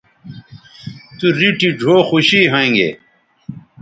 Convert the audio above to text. تو ریٹھی ڙھؤ خوشی ھویں گے